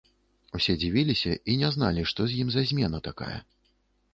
Усе дзівіліся і не зналі, што з ім за змена такая.